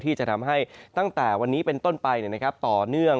ที่จะทำให้ตั้งแต่วันนี้เป็นต้นไปต่อเนื่อง